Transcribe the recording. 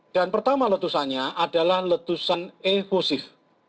dan pertama letusannya adalah letusan evosif